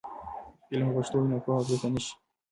که علم په پښتو وي، نو پوهه پیکه نه شي.